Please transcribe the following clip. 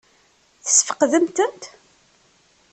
Tesfeqdemt-tent?